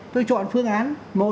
tôi chọn phương án một